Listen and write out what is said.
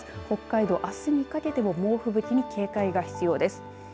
北海道、あすにかけても猛吹雪に警戒が必要です。